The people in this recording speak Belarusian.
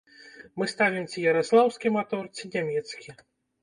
Мы ставім ці яраслаўскі матор, ці нямецкі.